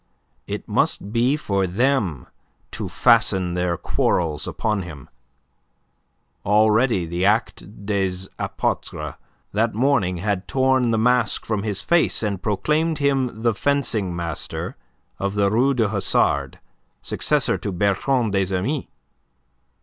It must be for them to fasten their quarrels upon him. Already the "Actes des Apotres" that morning had torn the mask from his face, and proclaimed him the fencing master of the Rue du Hasard, successor to Bertrand des Amis.